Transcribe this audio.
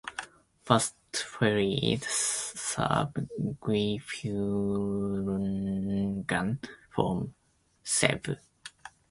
Fast ferries serve Guihulngan from Cebu.